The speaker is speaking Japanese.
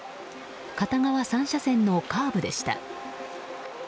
片側３車線のカーブでした。